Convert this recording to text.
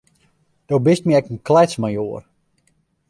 Do bist my ek in kletsmajoar.